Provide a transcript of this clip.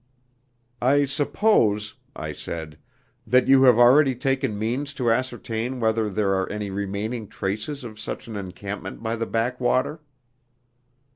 "I suppose," I said, "that you have already taken means to ascertain whether there are any remaining traces of such an encampment by the backwater?"